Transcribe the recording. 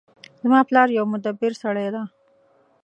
زما پلار یو مدبر سړی ده